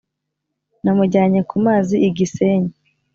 Namujyanye ku mazi igisenyi